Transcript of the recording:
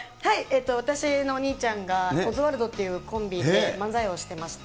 私のお兄ちゃんが、オズワルドっていうコンビ、漫才をしてまして。